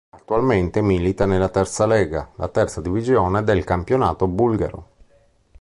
Attualmente milita nella Terza Lega, la terza divisione del campionato bulgaro.